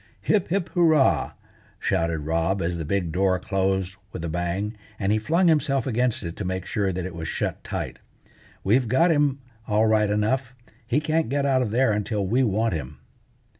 "Hip, hip, hurrah!" shouted Rob as the big door closed with a bang, and he flung himself against it to make sure that it was shut tight. "We've got him all right enough. He can't get out of there until we want him."